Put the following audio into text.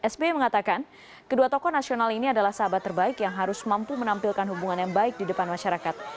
sbi mengatakan kedua tokoh nasional ini adalah sahabat terbaik yang harus mampu menampilkan hubungan yang baik di depan masyarakat